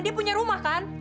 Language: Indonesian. dia punya rumah kan